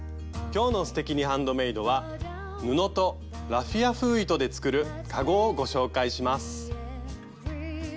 今日の「すてきにハンドメイド」は布とラフィア風糸で作る「かご」をご紹介します。